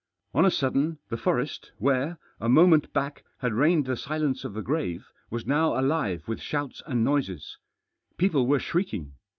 On a sudden the forest where, a moment back, had reigned the silence of the grave, was now alive with shouts and noises* People were shrieking.